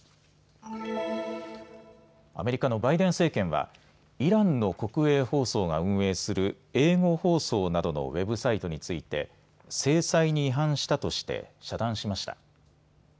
アメリカのバイデン政権はイランの国営放送が運営する英語放送などのウェブサイトについて制裁に違反したとして遮断しました。